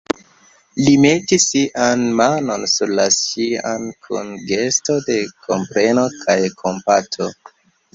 Li metis sian manon sur la ŝian kun gesto de kompreno kaj kompato.